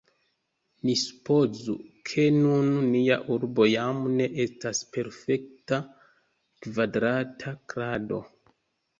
Ni supozu, ke nun nia urbo jam ne estas perfekta kvadrata krado.